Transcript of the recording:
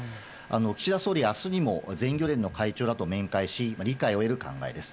岸田総理、あすにも全漁連の会長らと面会し、理解を得る考えです。